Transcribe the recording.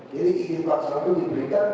jadi ijinan empat puluh satu diberikan